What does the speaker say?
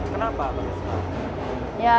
kenapa baru setahun